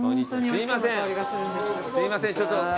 すいませんちょっと。